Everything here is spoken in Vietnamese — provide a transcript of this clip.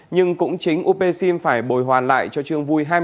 nhưng cũng chính upc phải bồi hoàn lại cho trương vui